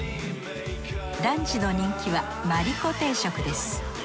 ランチの人気は丸子定食です。